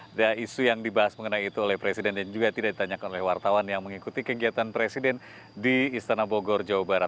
ada isu yang dibahas mengenai itu oleh presiden dan juga tidak ditanyakan oleh wartawan yang mengikuti kegiatan presiden di istana bogor jawa barat